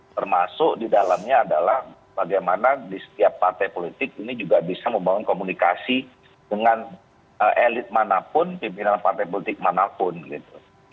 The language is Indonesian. termasuk di dalamnya adalah bagaimana di setiap partai politik ini juga bisa membangun komunikasi dengan elit manapun pimpinan partai politik manapun gitu